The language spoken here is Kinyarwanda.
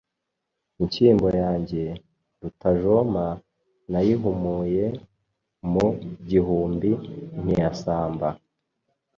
inshyimbo yange, rutajoma, nayimuhuye mu gihumbi ntiyasamba